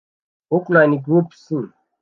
Ukraine (Group C)